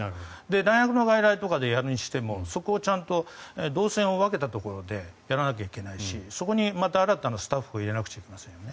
大学の外来とかでやるにしてもそこで動線を分けてもやらないといけないしそこにまた新たなスタッフを入れないといけませんね。